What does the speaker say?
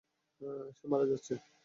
সে মারা যাচ্ছে।